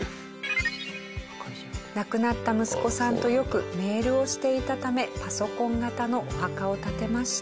亡くなった息子さんとよくメールをしていたためパソコン型のお墓を建てました。